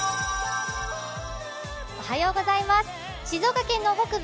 静岡県の北部